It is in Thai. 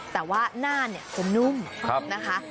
แต่ว่าหน้าเนี่ยจะนุ่มนะคะ